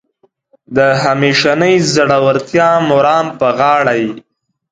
د همیشنۍ زړورتیا مرام په غاړه یې.